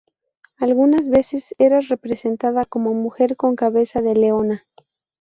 Algunas veces era representada como mujer con cabeza de leona.